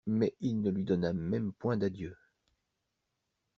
Mais il ne lui donna même point d'adieu.